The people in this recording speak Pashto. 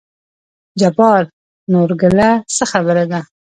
جبار: نورګله څه خبره ده.